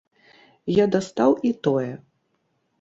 Я дастаў і тое.